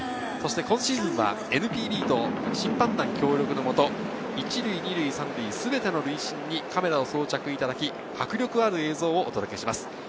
今シーズンはＮＰＢと審判団協力のもと、１塁、２塁、３塁、全ての塁審にカメラを装着いただき、迫力ある映像をお届けします。